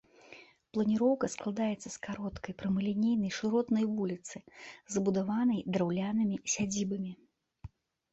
Планіроўка складаецца з кароткай прамалінейнай шыротнай вуліцы, забудаванай драўлянымі сядзібамі.